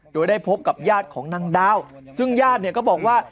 โดยได้พบกับญาติของนางดาวซึ่งญาติเนี่ยก็บอกว่า